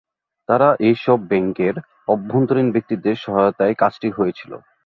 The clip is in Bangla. তারা এইসব ব্যাংকের অভ্যন্তরীণ ব্যক্তিদের সহায়তায় কাজটি হয়েছিল।